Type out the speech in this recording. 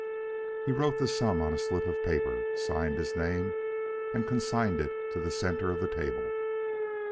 He wrote the sum on a slip of paper, signed his name, and consigned it to the centre of the table.